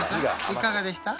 いかがでした？